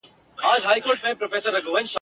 نه د چا د میني نه د زلفو بندیوان یمه ..